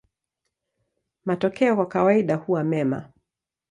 Matokeo kwa kawaida huwa mema.